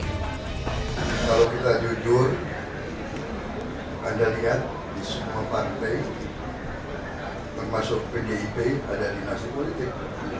kalau kita jujur anda lihat di semua partai termasuk pdip ada dinasti politik